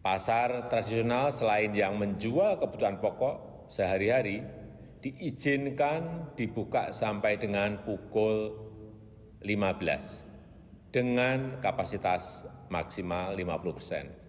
pasar tradisional selain yang menjual kebutuhan pokok sehari hari diizinkan dibuka sampai dengan pukul lima belas dengan kapasitas maksimal lima puluh persen